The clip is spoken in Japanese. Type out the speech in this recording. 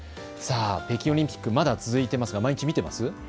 北京オリンピック、まだ続いていますが毎日見ていますか。